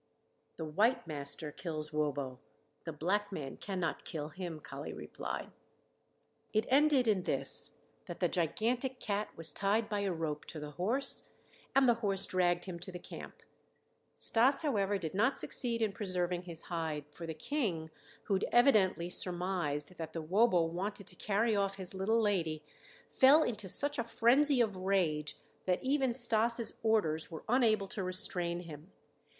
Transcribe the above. "The white master kills wobo; the black man cannot kill him," Kali replied. It ended in this, that the gigantic cat was tied by a rope to the horse and the horse dragged him to the camp. Stas, however, did not succeed in preserving his hide, for the King, who evidently surmised that the wobo wanted to carry off his little lady, fell into such a frenzy of rage that even Stas' orders were unable to restrain him.